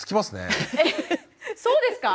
そうですか？